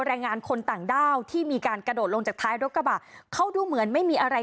แรงงานคนต่างด้าวที่มีการกระโดดลงจากท้ายรถกระบะเขาดูเหมือนไม่มีอะไร